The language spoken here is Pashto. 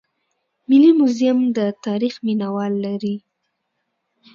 ملي موزیم د تاریخ مینه وال لري